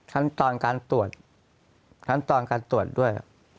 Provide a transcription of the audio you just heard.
ขั้นตอนการตรวจขั้นตอนการตรวจด้วย